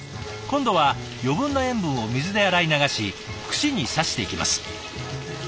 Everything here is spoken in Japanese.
今度は余分な塩分を水で洗い流し串に刺していきます。